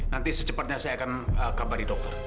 nanti secepatnya saya akan kabari dokter